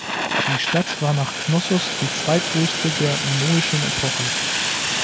Die Stadt war nach Knossos die zweitgrößte der minoischen Epoche.